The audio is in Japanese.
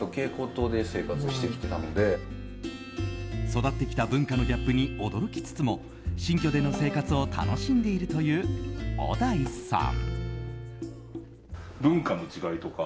育ってきた文化のギャップに驚きつつも新居での生活を楽しんでいるという小田井さん。